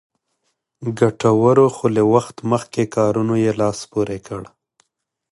ګټورو خو له وخت مخکې کارونو یې لاس پورې کړ.